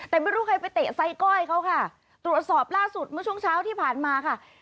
แต่ไม่รู้ใครไปเตะไซก้อยเขาค่ะตรวจสอบล่าสุดเมื่อช่วงเช้าที่ผ่านมาค่ะ